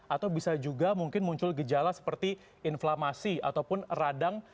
atau bisa juga mungkin muncul gejala seperti inflamasi ataupun radang